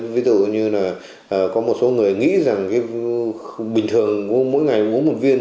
ví dụ như là có một số người nghĩ rằng cái bình thường mỗi ngày uống một viên